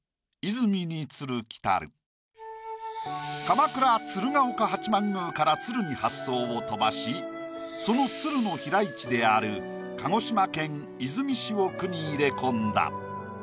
鎌倉鶴岡八幡宮から鶴に発想を飛ばしその鶴の飛来地である鹿児島県出水市を句に入れ込んだ。